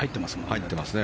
入ってますね。